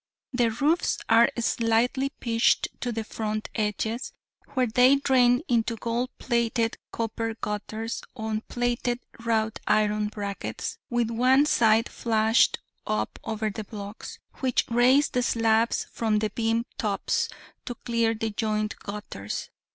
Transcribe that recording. The roofs are slightly pitched to the front edges, where they drain into gold plated copper gutters on plated wrought iron brackets, with one side flashed up over the blocks, which raise the slabs from the beam tops, to clear the joint gutters....